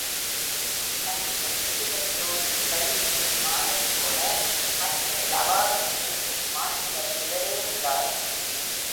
கண்ணியின் விடுபட் Dodig களித்திடும் மானைப் போல, மண்ணினில் அவாவின் நீங்கும் மாண்பினர் சிலரே உள்ளார்.